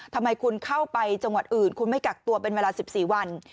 ทำไมคุณเข้าไปจังหวัดอื่นคุณไม่กักตัวเป็นเวลา๑๔วัน